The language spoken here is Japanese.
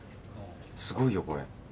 すごいよ、これ。